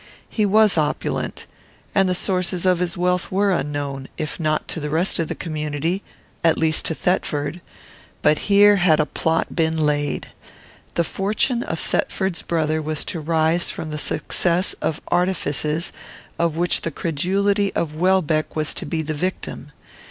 He was opulent, and the sources of his wealth were unknown, if not to the rest of the community, at least to Thetford. But here had a plot been laid. The fortune of Thetford's brother was to rise from the success of artifices of which the credulity of Welbeck was to be the victim.